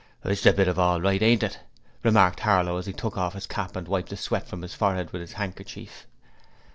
'This is a bit of all right, ain't it?' remarked Harlow as he took off his cap and wiped the sweat from his forehead with his handkerchief.